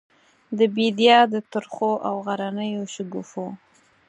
د بیدیا د ترخو او غرنیو شګوفو،